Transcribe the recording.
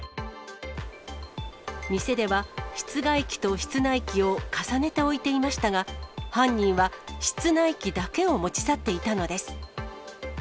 店では、室外機と室内機を重ねて置いていましたが、犯人は室内機だけを持ち去っていたのです。